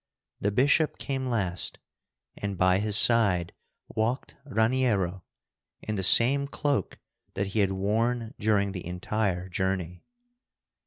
The bishop came last, and by his side walked Raniero, in the same cloak that he had worn during the entire journey.